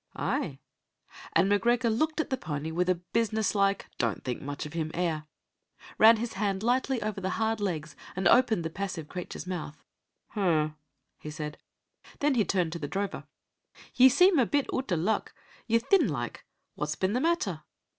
"Ay," and M'Gregor looked at the pony with a businesslike don't think much of him air, ran his hand lightly over the hard legs, and opened the passive creature's mouth. "H'm," he said. Then he turned to the drover. "Ye seem a bit oot o' luck. Ye're thin like. What's been the matter?"